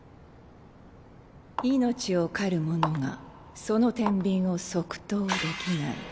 命を狩る者がその天秤を即答できない。